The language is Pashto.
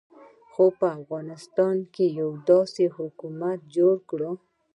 خو په افغانستان کې یې داسې حکومت جوړ کړ.